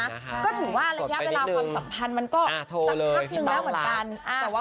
ถือว่าระย้า๊ไปราวความสัมพันธ์มันก็สั่งภาพไปได้แล้วกัน